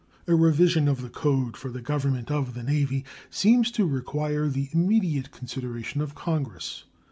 A revision of the code for the government of the Navy seems to require the immediate consideration of Congress.